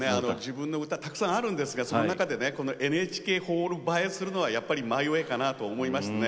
自分の歌たくさんあるんですがその中でねこのＮＨＫホール映えするのはやっぱり「マイ・ウェイ」かなと思いましてね。